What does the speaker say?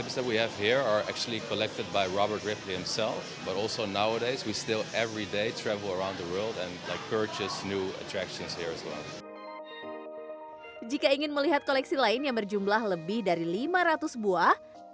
jika ingin melihat koleksi lain yang berjumlah lebih dari lima ratus buah